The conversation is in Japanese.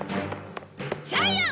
ジャイアン！